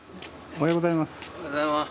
おはようございます。